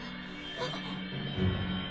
あっ。